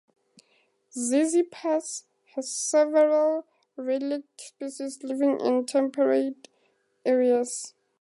"Ziziphus" has several relict species living in temperate areas.